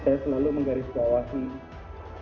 saya selalu menggaris jawab nih